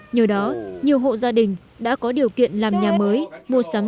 nhờ đó nhiều hộ gia đình đã có điểm